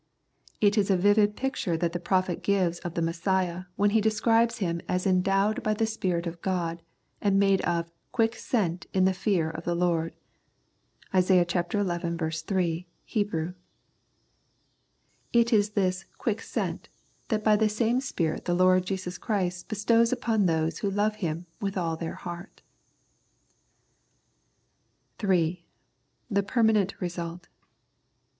It is a vivid picture that the prophet gives of the Messiah when he describes Him as endowed by the Spirit of God and made of " quick scent in the fear of the Lord " (Isa. xi. 3, Hebrew). It is this " quick scent " that by the same Spirit the Lord Jesus Christ bestows upon those who love Him with all the heart. 3. The Permanent Result.